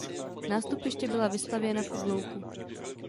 Nástupiště byla vystavěna v oblouku.